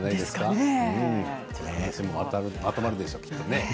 話もまとまるでしょうきっとね。